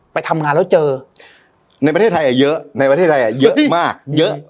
ไปทำงานแล้วเจอในประเทศไทยเยอะในประเทศไทยเยอะมากเยอะ